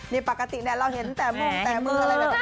นี่ปกติเนี่ยแล้วเห็นแต่ม่อนแต่มืออะไรบ้าง